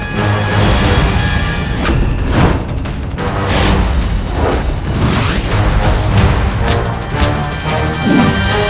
sampai jumpa di video selanjutnya